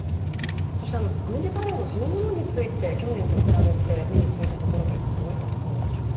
軍事パレードそのものについて、去年と比べて目についたのはどういったところでしょうか。